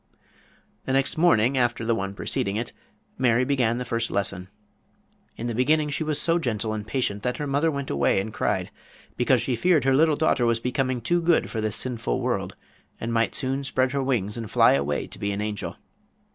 The next morning after the one preceding it, Mary began the first lesson. In the beginning she was so gentle and patient that her mother went away and cried, because she feared her dear little daughter was becoming too good for this sinful world, and might soon spread her wings and fly away and be an angel.